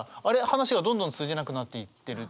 話がどんどん通じなくなっていってる。